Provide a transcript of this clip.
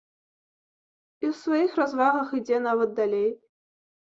І ў сваіх развагах ідзе нават далей.